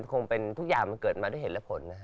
มันคงเป็นทุกอย่างเกิดมาด้วยเหตุและผล